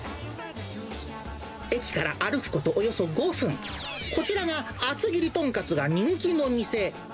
駅から歩くことおよそ５分、こちらが厚切りとんかつが人気の店。